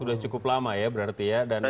sudah cukup lama ya berarti ya